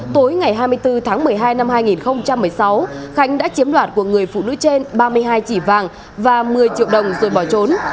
tối ngày hai mươi bốn tháng một mươi hai năm hai nghìn một mươi sáu khánh đã chiếm đoạt của người phụ nữ trên ba mươi hai chỉ vàng và một mươi triệu đồng rồi bỏ trốn